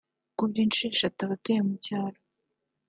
ukubye inshuro eshatu abatuye mu cyaro